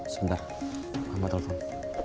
sebentar mama telepon